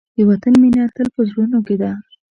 د وطن مینه تل په زړونو کې ده.